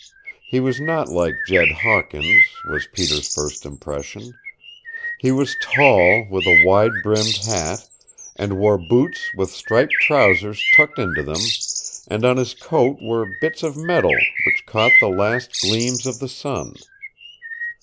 He was not like Jed Hawkins, was Peter's first impression. He was tall, with a wide brimmed hat, and wore boots with striped trousers tucked into them, and on his coat were bits of metal which caught the last gleams of the sun.